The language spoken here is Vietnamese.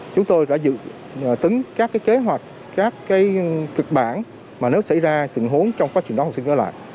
chúng tôi đã dự tính các cái kế hoạch các cái cực bản mà nếu xảy ra tình huống trong quá trình đó học sinh trở lại